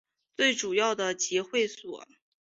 最主要的集会所